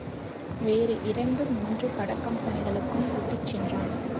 வேறு இரண்டு மூன்று படக் கம்பெனிகளுக்கும் கூட்டிச் சென்றான்.